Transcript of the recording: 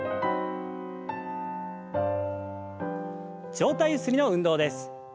上体ゆすりの運動です。